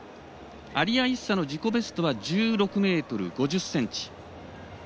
アリア・イッサの自己ベストは１６ｍ５０ｃｍ。